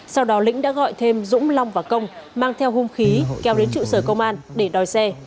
sau đó lĩnh đã gọi thêm dũng long và công mang theo hung khí kéo đến trụ sở công an để đòi xe